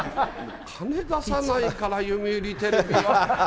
金出さないから、読売テレビは。